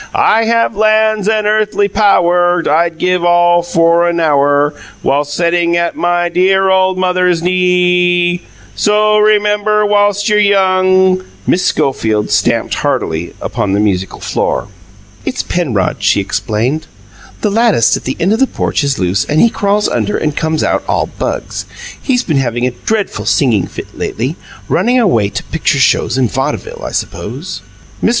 "I have lands and earthly pow wur. I'd give all for a now wur, Whi ilst setting at MY Y Y dear old mother's knee ee, So o o rem mem bur whilst you're young " Miss Schofield stamped heartily upon the musical floor. "It's Penrod," she explained. "The lattice at the end of the porch is loose, and he crawls under and comes out all bugs. He's been having a dreadful singing fit lately running away to picture shows and vaudeville, I suppose." Mr.